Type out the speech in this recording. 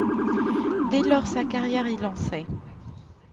Dès lors sa carrière est lancée.